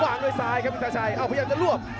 ด้วยซ้ายครับอินตาชัยพยายามจะลวก